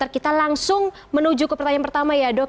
kita langsung menuju ke pertanyaan pertama ya dok